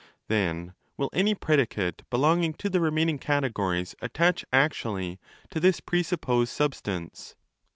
Then will 25 any predicate belonging to the remaining Categories attach actually to this presupposed substance?